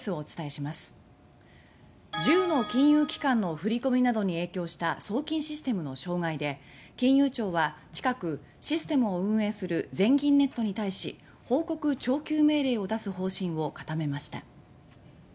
１０の金融機関の振り込みなどに影響した送金システムの障害で金融庁は近くシステムを運営する「全銀ネット」に対し報告徴求命令を出す方針を固めました。